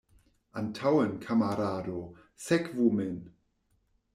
Antaŭen, kamarado, sekvu min!